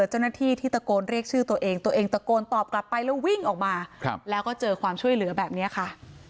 เจ้าหน้าที่ที่ตะโกนเรียกชื่อตัวเองตัวเองตะโกนตอบกลับไปแล้ววิ่งออกมาแล้วก็เจอความช่วยเหลือแบบนี้ค่ะ